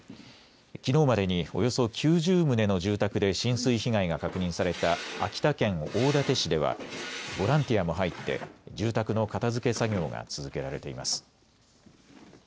きのうまでにおよそ９０棟の住宅で浸水被害が確認された秋田県大館市ではボランティアも入って住宅の片づけ作業が続けられています。